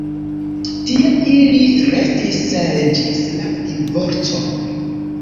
Tie ili restis ĝis la divorco.